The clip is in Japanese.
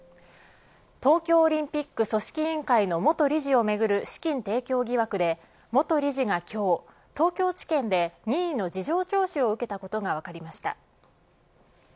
東京オリンピック組織委員会の元理事をめぐる資金提供疑惑で元理事が今日、東京地検で任意の事情聴取を受けたことが分かりました。